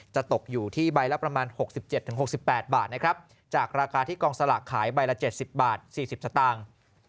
จะตกอยู่ที่ใบละประมาณหกสิบเจ็ดถึงหกสิบแปดบาทนะครับจากราคาที่กองสลักขายใบละเจ็ดสิบบาทสี่สิบสตางค์